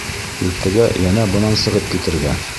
Иртәгә йәнә бынан сығып китергә.